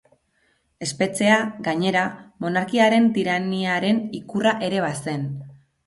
Espetxea, gainera, monarkiaren tiraniaren ikurra ere bazen.